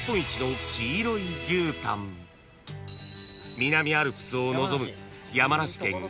［南アルプスを望む］